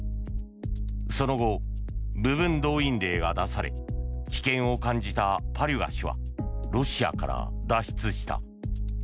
その後、部分動員令が出され危険を感じたパリュガ氏はロシアから脱出した。